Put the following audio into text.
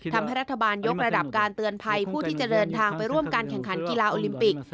ทำให้รัฐบาลยกระดับการเตือนภัยผู้ที่จะเดินทางไปร่วมการแข่งขันกีฬาโอลิมปิก